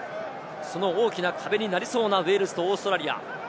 その大きな壁になりそうなウェールズとオーストラリア。